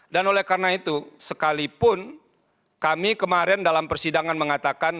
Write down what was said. dan oleh karena itu sekalipun kami kemarin dalam persidangan mengatakan